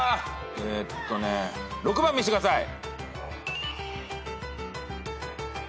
えっとね６番見してください。